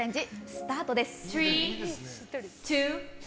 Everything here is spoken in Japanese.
スタートです。